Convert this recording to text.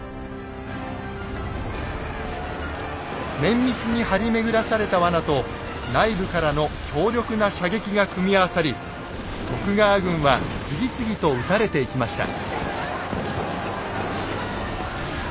綿密に張り巡らされた罠と内部からの強力な射撃が組み合わさり徳川軍は次々と討たれていきました。